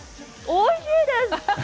おいしいです！